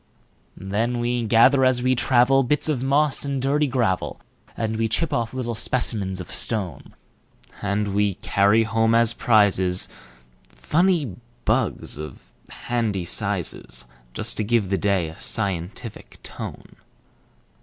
Then we gather as we travel, Bits of moss and dirty gravel, And we chip off little specimens of stone; And we carry home as prizesFunny bugs, of handy sizes, Just to give the day a scientific tone.